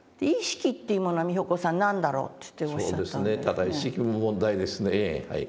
ただ意識も問題ですねはい。